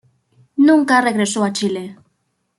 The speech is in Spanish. Nunca regresó a Chile.